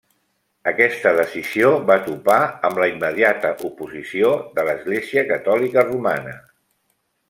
Aquesta decisió va topar amb la immediata oposició de l'Església Catòlica Romana.